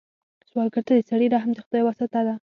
سوالګر ته د سړي رحم د خدای واسطه ده